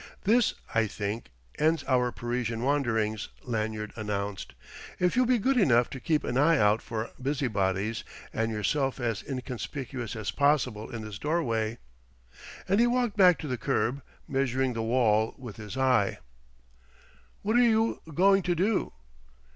"This, I think, ends our Parisian wanderings," Lanyard announced. "If you'll be good enough to keep an eye out for busybodies and yourself as inconspicuous as possible in this doorway..." And he walked back to the curb, measuring the wall with his eye. "What are you going to do?"